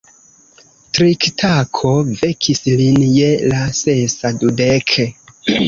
Tiktako vekis lin je la sesa dudek.